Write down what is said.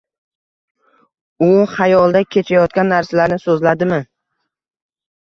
U xayolda kechayotgan narsalarni so’zladimi?